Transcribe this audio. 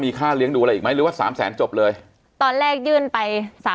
มีค่าเลี้ยงดูอะไรอีกไหมหรือว่า๓๐๐จบเลยตอนแรกยื่นไป๓๐๐